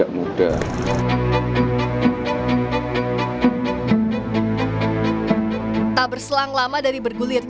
kenapa harus dibuat di griban sendiri